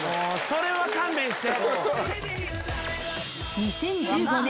それは勘弁して。